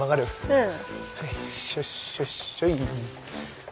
うん。